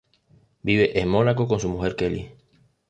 Vive en Mónaco con su mujer Kelly.